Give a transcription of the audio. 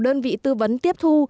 đơn vị tư vấn tiếp thu